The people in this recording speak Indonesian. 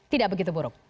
tidak begitu buruk